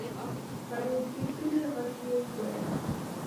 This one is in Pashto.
په رېږدېدلې غږ يې وويل: